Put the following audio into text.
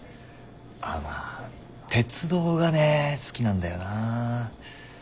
まあ鉄道がね好きなんだよな。